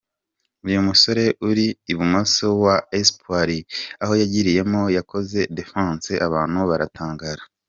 Uyu musore uri ibumoso wa Espoir, aho yagiriyemo yakoze ‘defense’ abantu baratangara.